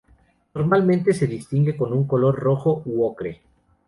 Normalmente, se distingue con un color rojo u ocre.